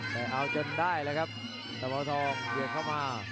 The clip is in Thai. แต่เอาจนได้แล้วครับตะบัวทองเบียดเข้ามา